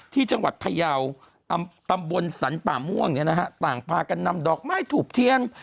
ที่จังหวัดพยาวตำบลสรรป่าม่วงเนี่ยนะฮะต่างพากันนำดอกไม้ถูกเทียน